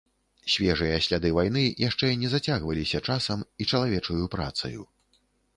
Свежыя сляды вайны яшчэ не зацягваліся часам і чалавечаю працаю.